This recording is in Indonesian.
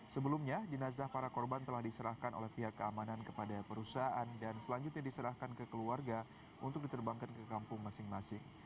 sebelumnya jenazah para korban telah diserahkan oleh pihak keamanan kepada perusahaan dan selanjutnya diserahkan ke keluarga untuk diterbangkan ke kampung masing masing